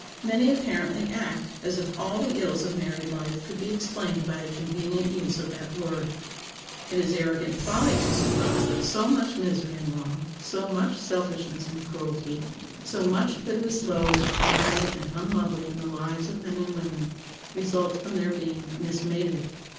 Many apparently act as if all the ills of married life could be explained by a convenient use of that word. It is arrogant folly to suppose that so much misery and wrong, so much selfishness and cruelty, so much that is low, animal, and unlovely in the lives of men and women, results from their being "mismated."